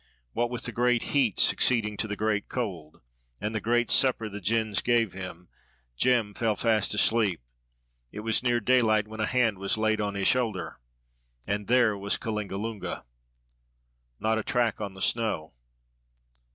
What with the great heat succeeding to the great cold, and the great supper the gins gave him, Jem fell fast asleep. It was near daylight when a hand was laid on his shoulder, and there was Kalingalunga. "Not a track on the snow."